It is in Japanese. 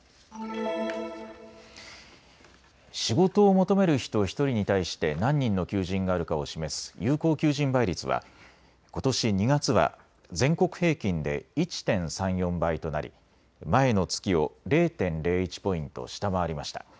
仕事を求める人１人に対して何人の求人があるかを示す有効求人倍率はことし２月は全国平均で１．３４倍となり前の月を０．０１ポイント下回りました。